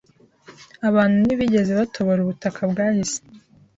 Abantu ntibigeze batobora ubutaka bwahise